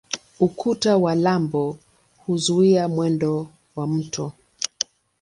Ukuta wa lambo huzuia mwendo wa mto.